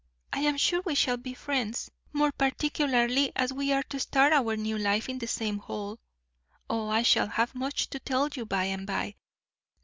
I am sure we shall be friends, more particularly as we are to start our new life in the same hall. Oh, I shall have much to tell you by and by.